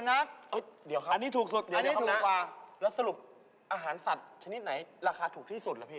และสรุปอาหารสัตว์ชนิดไหนราคาถูกที่สุดเหรอพี่